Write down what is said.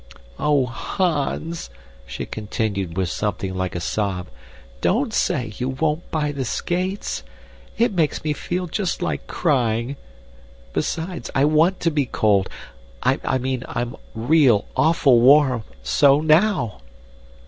"Oh, Hans," she continued with something like a sob, "don't say you won't buy the skates. It makes me feel just like crying. Besides, I want to be cold. I mean, I'm real, awful warm so now!"